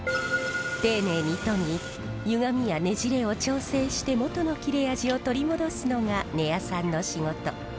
丁寧に研ぎゆがみやねじれを調整して元の切れ味を取り戻すのが根矢さんの仕事。